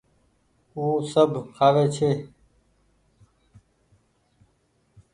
او سب کآوي ڇي۔